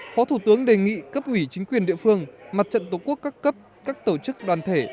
phó thủ tướng đề nghị cấp ủy chính quyền địa phương mặt trận tổ quốc các cấp các tổ chức đoàn thể